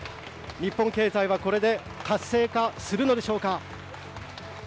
日本経済はこれで活性化するのでしょうか。